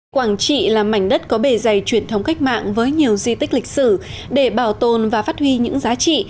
quảng trị là mảnh đất có bề dày truyền thống cách mạng với nhiều di tích lịch sử để bảo tồn và phát huy những giá trị